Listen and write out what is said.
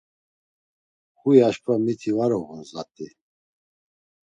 Huy aşǩva miti, var uğun zat̆i.